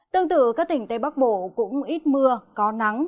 tương tự các tỉnh tây bắc bộ cũng ít mưa có nắng